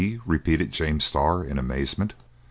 repeated James Starr in amazement.